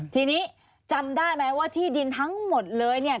ทีนี้จำได้ไหมว่าที่ดินทั้งหมดเลยเนี่ย